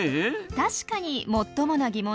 確かにもっともな疑問です。